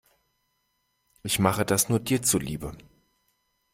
Ich mache das nur dir zuliebe.